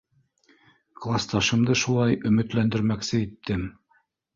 — Класташымды шулай өмөтләндермәксе иттем.